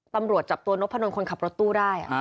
ตำรวจจับตัวนพนลคนขับรถตู้ได้